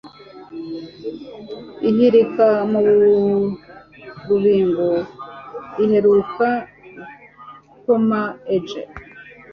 ihirika mu rubingo iheruka gukoma ej